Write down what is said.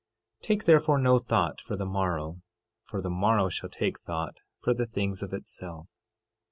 13:34 Take therefore no thought for the morrow, for the morrow shall take thought for the things of itself.